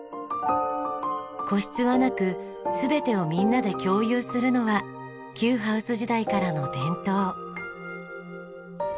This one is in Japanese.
個室はなく全てをみんなで共有するのは旧ハウス時代からの伝統。